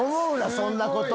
そんなことを。